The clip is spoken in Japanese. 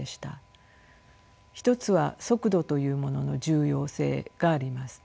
一つは速度というものの重要性があります。